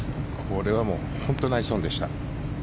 これは本当にナイスオンでした。